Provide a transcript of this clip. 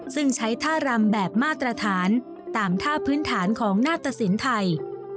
ซึ่งใช้ท่ารำแบบมาตรฐานตามท่าพื้นฐานของหน้าตสินไทย